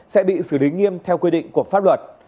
sẽ bị xử lý nghiêm theo quy định của pháp luật